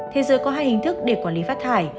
thế giới có hai hình thức để quản lý phát thải